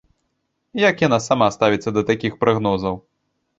Як яна сама ставіцца да такіх прагнозаў?